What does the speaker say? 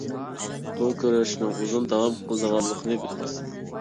بۇ كۈرەشنىڭ ئۇزۇن داۋام قىلىدىغانلىقىنى بىلىمىز.